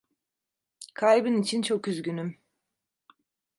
Kaybın için çok üzgünüm.